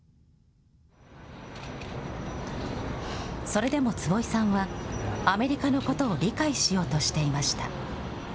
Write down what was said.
それでも坪井さんは、アメリカのことを理解しようとしていました。